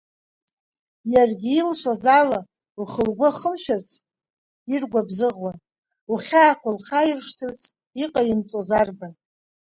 Иаргьы илшоз ала лхы лгәы ахымшәарц диргәабзыӷуан, лхьаақәа лхаиршҭырц иҟаимҵоз арбан.